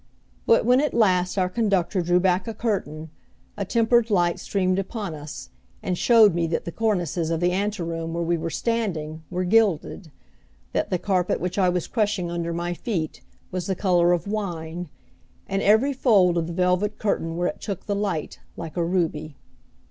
But when at last our conductor drew back a curtain, a tempered light streamed upon us, and showed me that the cornices of the anteroom where we were standing were gilded, that the carpet which I was crushing under my feet, was the color of wine, and every fold of the velvet curtain where it took the light like a ruby.